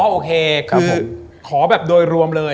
โอเคคือขอแบบโดยรวมเลย